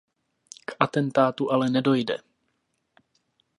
K atentátu ale nedojde.